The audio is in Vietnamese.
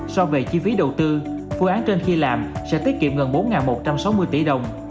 so về chi phí đầu tư phương án trên khi làm sẽ tiết kiệm gần bốn một trăm sáu mươi tỷ đồng